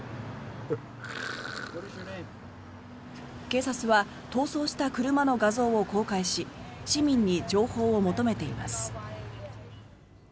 警察は逃走した車の画像を公開し市民に情報を求めています。